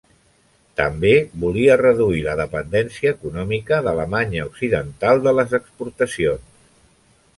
També volia reduir la dependència econòmica d'Alemanya Occidental de les exportacions.